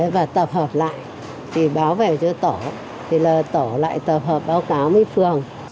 và tập hợp lại thì báo về cho tổ thì là tổ lại tập hợp báo cáo với phường